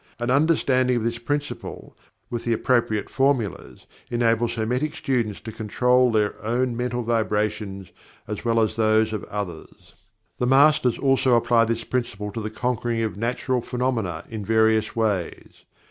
An understanding of this Principle, with the appropriate formulas, enables Hermetic students to control their own mental vibrations as well as those of others. The Masters also apply this Principle to the conquering of Natural phenomena, in various ways.